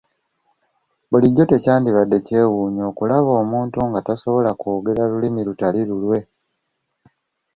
Bulijjo tekyandibadde kyewuunyo okulaba omuntu nga tasobola kwogera lulimi lutali lulwe.